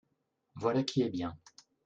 Voilà qui est bien